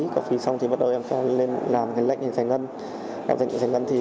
có phí xong thì em sẽ lên làm lệnh giành ngân